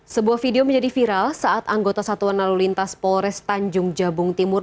sebuah video menjadi viral saat anggota satuan lalu lintas polres tanjung jabung timur